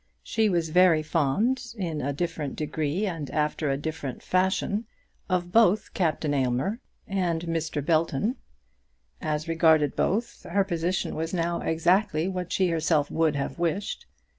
She was very fond, in a different degree and after a different fashion, of both Captain Aylmer and Mr. Belton. As regarded both, her position was now exactly what she herself would have wished.